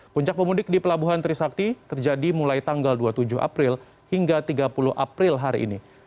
puncak pemudik di pelabuhan trisakti terjadi mulai tanggal dua puluh tujuh april hingga tiga puluh april hari ini